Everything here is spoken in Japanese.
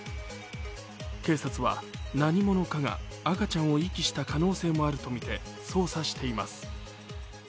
警察は何者かが赤ちゃんを遺棄した可能性もあるとみて捜査しています。